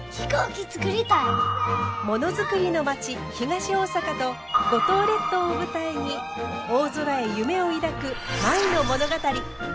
ものづくりの町東大阪と五島列島を舞台に大空へ夢を抱く舞の物語。